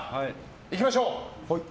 いきましょう。